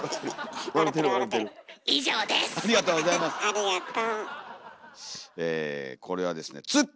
ありがと。